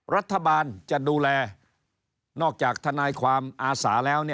รัฐบาลจะดูแลนอกจากทนายความอาสาแล้ว